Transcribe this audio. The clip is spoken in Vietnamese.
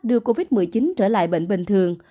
đưa covid một mươi chín trở lại bệnh bình thường